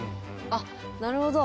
あっなるほど。